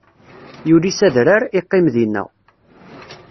Yuli s adrar, iqqim dinna.